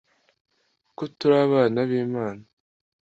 ko turi abana b'imana